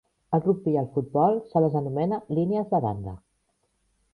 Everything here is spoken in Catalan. Al rugbi i al futbol se les anomena línies de banda.